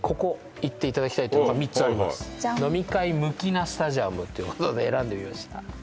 向きなスタジアムっていうことで選んでみました